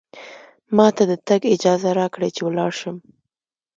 ما ته د تګ اجازه راکړئ، چې ولاړ شم.